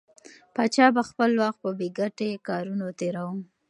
پاچا به خپل وخت په بې ګټې کارونو تېراوه.